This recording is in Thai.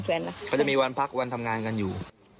เขาจะมีวันพักวันทำงานกันอยู่